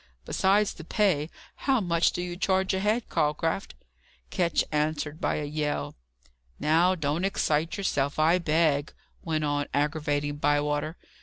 Besides the pay! How much do you charge a head, Calcraft?" Ketch answered by a yell. "Now, don't excite yourself, I beg," went on aggravating Bywater.